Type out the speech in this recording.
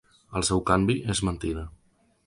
El seu canvi és mentida.